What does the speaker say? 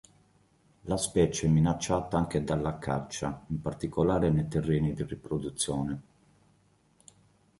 La specie è minacciata anche dalla caccia, in particolare nei terreni di riproduzione.